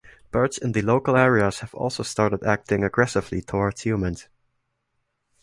Birds in the local areas have also started acting aggressively towards humans.